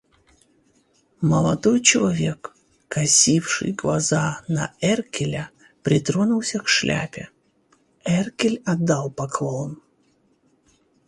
Молодой человек, косивший глаза на Эркеля, притронулся к шляпе; Эркель отдал поклон.